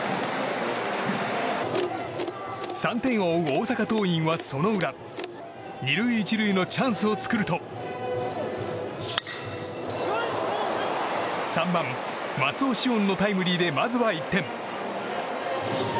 ３点を追う大阪桐蔭は、その裏２塁１塁のチャンスを作ると３番、松尾汐恩のタイムリーでまずは１点。